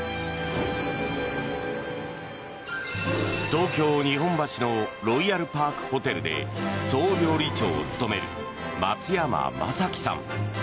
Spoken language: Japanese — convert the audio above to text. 東京・日本橋のロイヤルパークホテルで総料理長を務める松山昌樹さん。